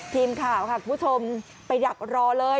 ทีมข่าวค่ะคุณผู้ชมไปดักรอเลย